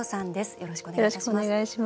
よろしくお願いします。